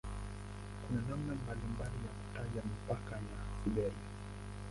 Kuna namna mbalimbali ya kutaja mipaka ya "Siberia".